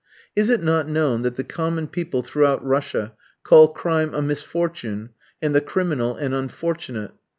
Is it not known that the common people throughout Russia call crime a "misfortune," and the criminal an "unfortunate"?